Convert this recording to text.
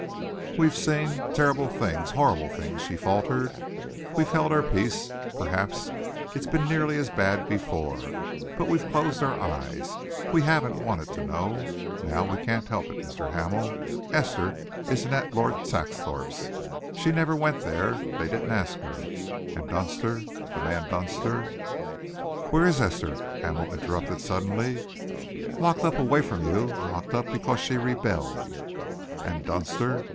"We've seen terrible things horrible things," she faltered. "We've held our peace. Perhaps it's been nearly as bad before, but we've closed our eyes; we haven't wanted to know. Now we can't help it. Mr. Hamel, Esther isn't at Lord Saxthorpe's. She never went there. They didn't ask her. And Dunster the man Dunster " "Where is Esther?" Hamel interrupted suddenly. "Locked up away from you, locked up because she rebelled!" "And Dunster?"